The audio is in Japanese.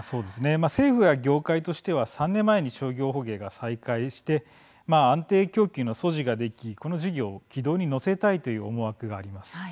政府や業界としては３年前に商業捕鯨が再開して安定供給の素地ができこの事業を軌道に乗せたいという思惑があります。